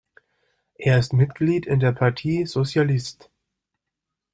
Er ist Mitglied der Parti Socialiste.